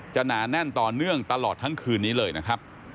หนาแน่นต่อเนื่องตลอดทั้งคืนนี้เลยนะครับ